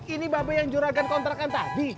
ini bape yang juragan kontrakan tadi